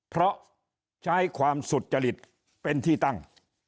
เพราะใช้ความสุจริตเป็นที่ตั้ง